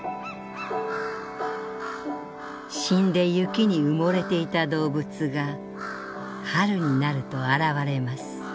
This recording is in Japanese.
「死んで雪に埋もれていた動物が春になると現れます。